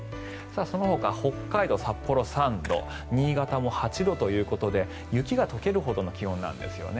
そのほか北海道札幌３度新潟も８度ということで雪が解けるほどの気温なんですよね。